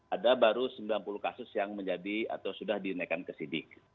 ada baru sembilan puluh kasus yang menjadi atau sudah dinaikkan ke sidik